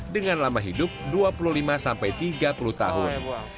dengan lama hidup dua puluh lima sampai tiga puluh tahun